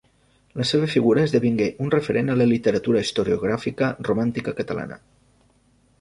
La seva figura esdevingué un referent a la literatura historiogràfica romàntica catalana.